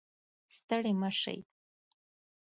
ستړي مه شئ